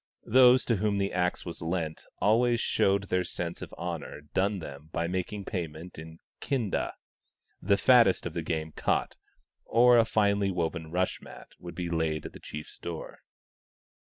Those to THE STONE AXE OF BURKAMUKK 13 whom the axe was lent always showed their sense of the honour done them by making payment in kind— the fattest of the game caught, or a finely woven rush mat, would be laid at the chief's door.